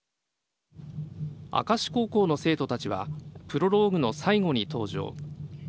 明石高校の生徒たちはプロローグの最後に登場。